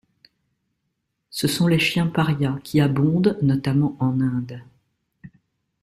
Ce sont les chiens parias qui abondent notamment en Inde.